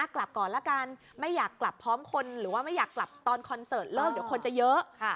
กลับก่อนละกันไม่อยากกลับพร้อมคนหรือว่าไม่อยากกลับตอนคอนเสิร์ตเลิกเดี๋ยวคนจะเยอะ